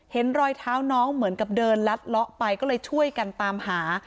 เห็นรอยเท้าน้องเหมือนกับเดินลัดเลาะไปก็เลยช่วยกันตามหา